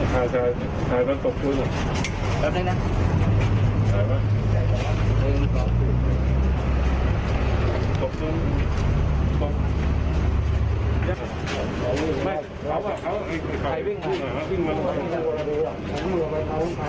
หลังจากนี้ก็ได้รู้สึกว่ามันกลายเป้าหมายและมันกลายเป้าหมาย